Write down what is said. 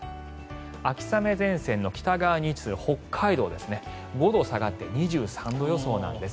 秋雨前線の北側に位置する北海道ですね５度下がって２３度予想なんです。